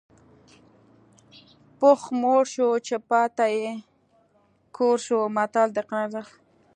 پښ موړ شو چې پاته یې کور شو متل د قناعت ارزښت ښيي